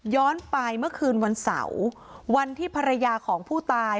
ไปเมื่อคืนวันเสาร์วันที่ภรรยาของผู้ตาย